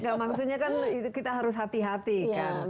enggak maksudnya kan kita harus hati hati kan